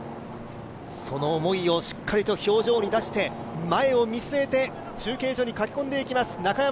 その思いをしっかりと表情に出して前を見据えて中継所に駆け込んでいきます。